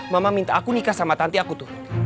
mama minta aku nikah sama tanti aku turuti